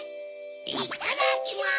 いっただきます！